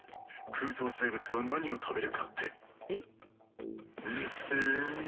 空想生物は何を食べるかって⁉えっ⁉ふっふ。